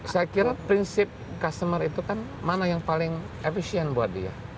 saya kira prinsip customer itu kan mana yang paling efisien buat dia